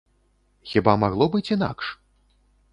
Хіба магло быць інакш?